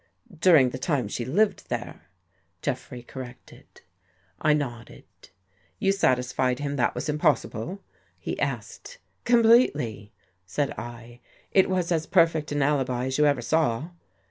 " During the time she lived there," Jeffrey cor rected. I nodded. " You satisfied him that that was impossible? " he asked. " Completely," said I. " It was as perfect an alibi as you ever saw."